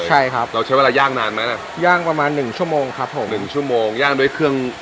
ใช่ครับเราใช้เวลาย่างนานไหมน่ะย่างประมาณหนึ่งชั่วโมงครับผมหนึ่งชั่วโมงย่างด้วยเครื่อง